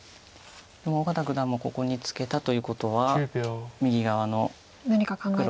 小県九段もここにツケたということは右側の黒。